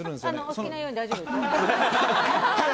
お好きなように大丈夫ですよ。